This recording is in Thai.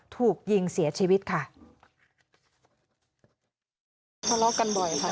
ถูกยิงเสียชีวิตค่ะ